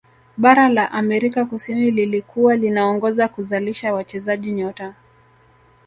bara la amerika kusini lilikuwa linaongoza kuzalisha wachezaji nyota